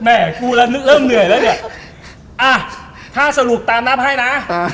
อ่าถ้าสรุปตามหน้าไพ่นะ